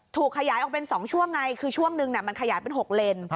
ถูกขยายออกเป็นสองช่วงไงคือช่วงหนึ่งน่ะมันขยายเป็นหกเลน